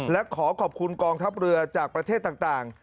และขอขอบคุณกองทัพเรือจากประเทศต่าง